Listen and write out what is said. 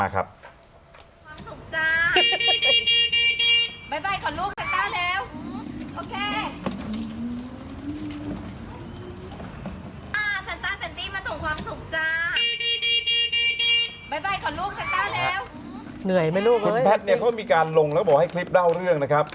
คุณพัทรเขามีการลงแล้วบอกให้คลิปเล่าเรื่องนะครับ